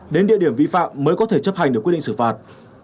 đến địa điểm vi phạm mới có thể chấp hành được quyết định xử phạt